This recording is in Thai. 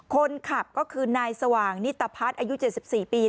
คนขับก็คือนายสว่างนิตพักษ์อายุเจ็ดสิบสี่ปี